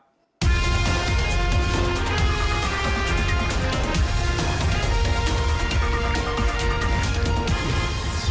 โปรดติดตามตอนต่อไป